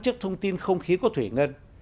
trước thông tin không khí của thủy ngân